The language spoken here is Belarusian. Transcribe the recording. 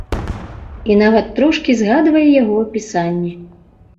І нават трошкі згадвае яго апісанне.